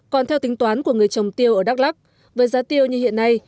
còn theo tính toán của người trồng tiêu ở đắk lắc với giá tiêu như hiện nay